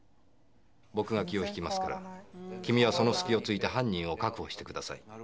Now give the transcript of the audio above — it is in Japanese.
「僕が気を引きますから君はその隙を突いて犯人を確保してください」